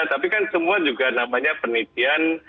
tapi kan semua juga namanya penelitian